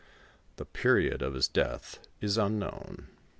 The period of his death is unknown.